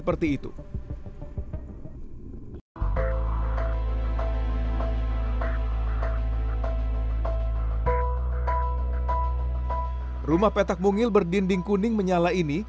rumah petak bungil berdinding kuning menyala ini